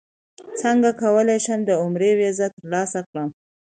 څنګه کولی شم د عمرې ویزه ترلاسه کړم